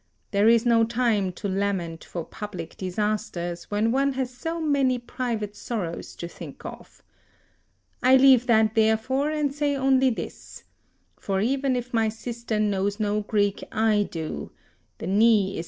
There is no time to lament for public disasters, when one has so many private sorrows to think of. I leave that, therefore, and say only this; for even if my sister knows no Greek, I do: The knee is nearer than the shin.